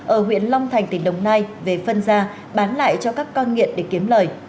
ở huyện long thành tỉnh đồng nai về phân ra bán lại cho các con nghiện để kiếm lời